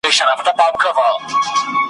ورته پام سو پر سړک د څو هلکانو `